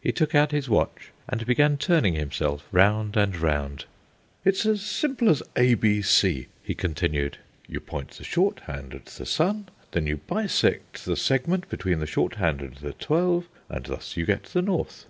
He took out his watch, and began turning himself round and round. "It's as simple as A B C," he continued. "You point the short hand at the sun, then you bisect the segment between the short hand and the twelve, and thus you get the north."